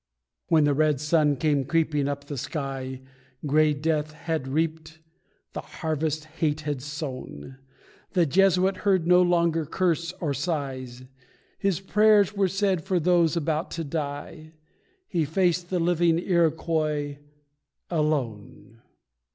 When the red sun came creeping up the sky Grey death had reaped the harvest hate had sown; The Jesuit heard no longer curse or sigh His prayers were said for those about to die He faced the living Iroquois alone.